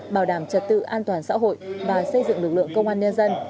bảo đảm trật tự an toàn xã hội và xây dựng lực lượng công an nhân dân